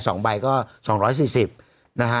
สองใบก็สองร้อยสี่สิบนะฮะ